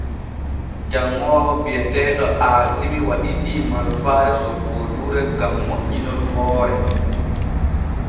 Janŋoowo bi’eteeɗo Aasimi waɗidii malfaare soppooduure gam moƴƴinol hoore.